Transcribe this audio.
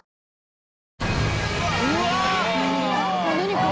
これ。